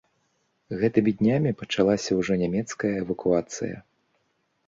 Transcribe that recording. Гэтымі днямі пачалася ўжо нямецкая эвакуацыя.